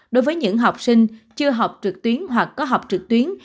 đối với những học sinh chưa học trực tuyến hoặc có học trực tuyến